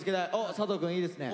佐藤くんいいですね。